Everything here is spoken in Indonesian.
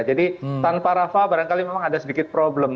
jadi tanpa rafa barangkali memang ada sedikit problem